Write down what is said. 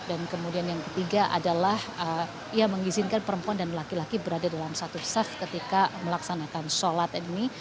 dan kemudian yang ketiga adalah ia mengizinkan perempuan dan laki laki berada dalam satu saf ketika melaksanakan sholat ini